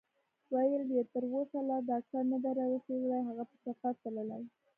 ویل یې: تر اوسه لا ډاکټر نه دی رارسېدلی، هغه په سفر تللی.